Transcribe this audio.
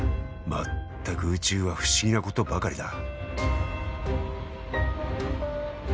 まったく宇宙は不思議なことばかりだ。